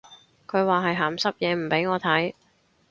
佢話係鹹濕嘢唔俾我睇